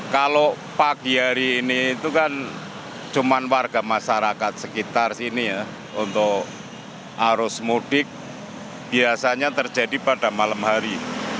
kalau pagi hari ini itu kan cuma warga masyarakat sekitar sini ya untuk arus mudik biasanya terjadi pada malam hari